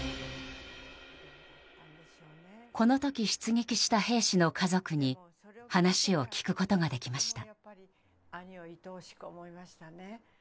この時、出撃した兵士の家族に話を聞くことができました。